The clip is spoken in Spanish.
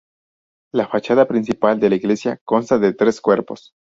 La fachada principal de la iglesia consta de tres cuerpos.